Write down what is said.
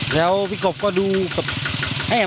แล้วพี่กบก็ดูแอ่มเดินอยู่